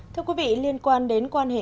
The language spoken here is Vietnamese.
thưa quý vị liên quan đến quan hệ nga mỹ